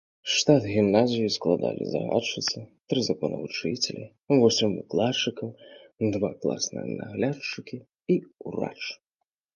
Штат гімназіі складалі загадчыцы, тры законавучыцелі, восем выкладчыкаў, два класныя наглядчыкі і ўрач.